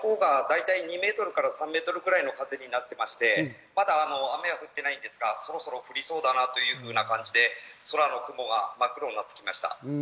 今、風のほうが大体２メートルから３メートルぐらいの風になっていまして、まだ雨は降っていないんですが、そろそろ降りそうだなというふうな感じで、空の雲が真っ黒になってきました。